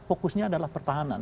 fokusnya adalah pertahanan